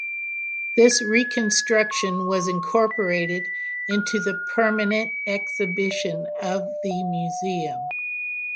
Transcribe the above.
This reconstruction was incorporated into the permanent exhibition of the museum.